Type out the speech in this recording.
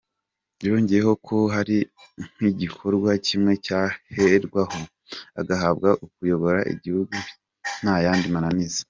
Yongeyeho ko hari nk’igikorwa kimwe cyaherwaho, agahabwa kuyobora igihugu nta yandi mananiza.